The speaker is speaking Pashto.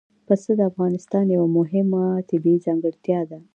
پسه د افغانستان یوه مهمه طبیعي ځانګړتیا ده.